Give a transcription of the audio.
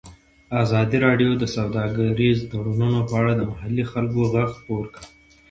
ازادي راډیو د سوداګریز تړونونه په اړه د محلي خلکو غږ خپور کړی.